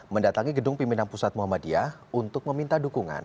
mendatangi gedung pimpinan pusat muhammadiyah untuk meminta dukungan